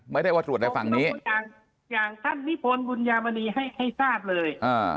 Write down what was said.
ไม่ได้ว่าตรวจในฝั่งนี้อย่างท่านนิพนธ์บุญญามณีให้ให้ทราบเลย